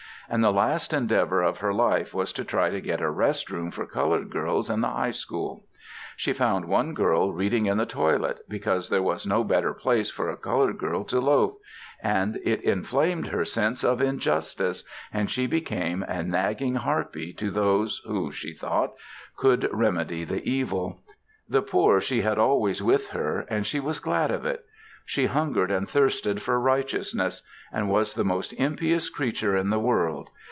And the last endeavor of her life was to try to get a rest room for colored girls in the High School. She found one girl reading in the toilet, because there was no better place for a colored girl to loaf, and it inflamed her sense of injustice and she became a nagging harpie to those who, she thought, could remedy the evil. The poor she had always with her, and was glad of it. She hungered and thirsted for righteousness; and was the most impious creature in the world.